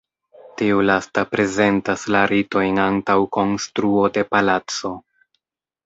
Tiu lasta prezentas la ritojn antaŭ konstruo de palaco.